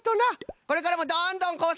これからもどんどんこうさくしてよ！